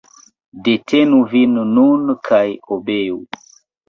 Detenu vin nun kaj obeu.